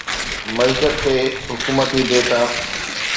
معيشت تي حڪومتي ڊيٽا